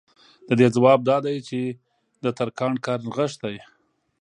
د دې ځواب دا دی چې د ترکاڼ کار نغښتی